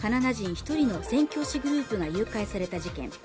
一人の宣教師グループが誘拐された事件